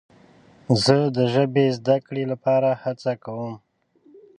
زه د ژبې زده کړې لپاره هڅه کوم.